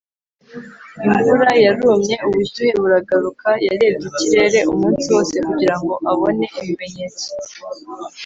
imvura yarumye ubushyuhe buragaruka. yarebye ikirere umunsi wose kugira ngo abone ibimenyetso